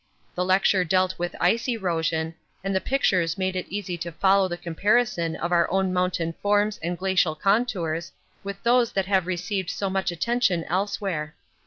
The lecture dealt with ice erosion, and the pictures made it easy to follow the comparison of our own mountain forms and glacial contours with those that have received so much attention elsewhere.